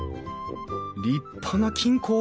立派な金庫。